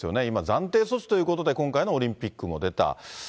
今、暫定措置ということで、今回のオリンピックも出た。